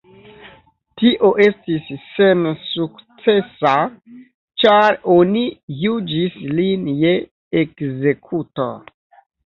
Tio estis sensukcesa, ĉar oni juĝis lin je ekzekuto.